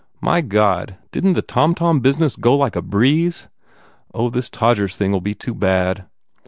My God, didn t the tomtom business go like a breeze? Oh, this Todgers thing ll be too bad.